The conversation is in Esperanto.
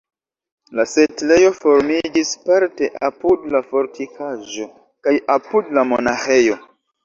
La setlejo formiĝis parte apud la fortikaĵo kaj apud la monaĥejo.